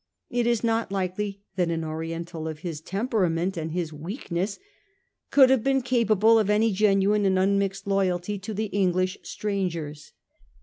It is not likely that an Oriental of his temperament and his weakness could have been ca pable of any genuine and unmixed loyalty to the English strangers.